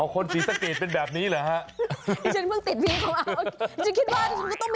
อ๋อคนศรีสเกดเป็นแบบนี้หรือฮะ